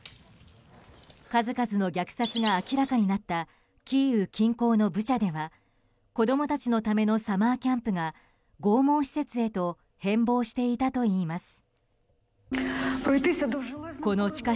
数々の虐殺が明らかになったキーウ近郊のブチャでは子供たちのためのサマーキャンプが拷問施設へと変貌していたといいます。